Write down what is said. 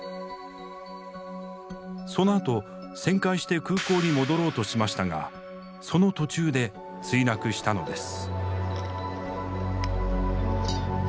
そのあと旋回して空港に戻ろうとしましたがその途中で墜落したのです。